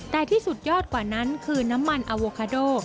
แต่ที่สุดยอดกว่านั้นคือน้ำมันอโวคาโด